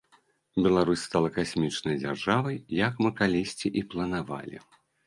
Беларусь стала касмічнай дзяржавай, як мы калісьці і планавалі.